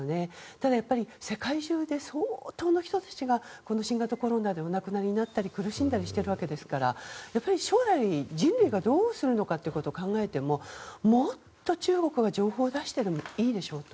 ただ、世界中で相当の人たちが新型コロナでお亡くなりになったり苦しんだりしているわけですからやっぱり将来人類がどうするのかを考えてももっと中国が情報を出してもいいでしょうと。